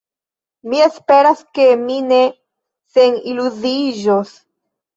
Mi esperas, ke mi ne seniluziiĝos.